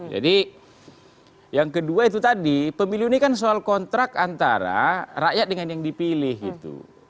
jadi yang kedua itu tadi pemilu ini kan soal kontrak antara rakyat dengan yang dipilih gitu